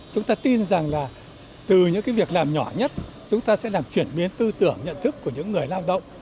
chúng ta tin rằng là từ những việc làm nhỏ nhất chúng ta sẽ làm chuyển biến tư tưởng nhận thức của những người lao động